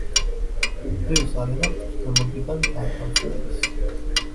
ბრიუს არენა მწვრთნელობიდან გაათავისუფლეს.